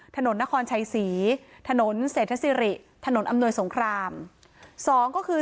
ถนนนครชัยศรีถนนเศรษฐศิริถนนอำนวยสงครามสองก็คือ